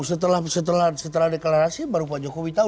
setelah deklarasi baru pak jokowi tahu